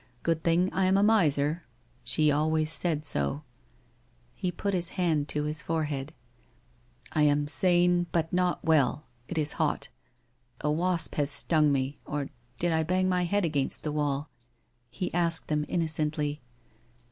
Good thing I am a miser — she always said so. ...' He put his hand to his forehead. ' I am sane, but not well. It is hot. A wasp has stung me, or did I bang my head against the wall ?' he asked them innocently.